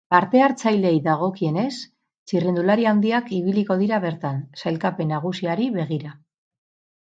Parte-hartzaileei dagokienez, txirrindulari handiak ibiliko dira bertan, sailkapen nagusiari begira.